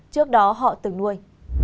trước đó họ từng nuôi